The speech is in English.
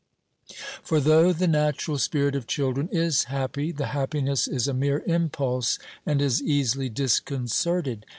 For though the natural spirit of children is happy, the happiness is a mere impulse and is easily disconcerted.